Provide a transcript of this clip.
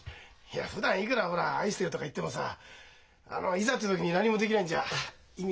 いやふだんいくらほら「愛してる」とか言ってもさいざって時に何もできないんじゃ意味がないからね。